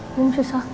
oma masih sakit